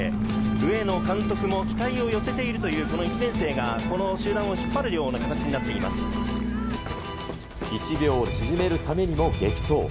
上野監督も期待を寄せているというこの１年生がこの集団を引っ張１秒縮めるためにも激走。